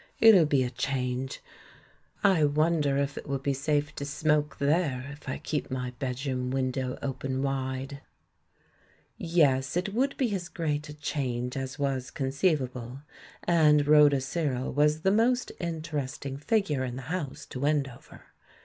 It'll be a change. I wonder 6 THE MAN WHO UNDERSTOOD WOMEN if it will be safe to smoke there if I keep my bed room window open wide?" Yes, it would be as great a change as was con ceivable, and Khoda Searle was the most inter esting figure in the house to Wendover.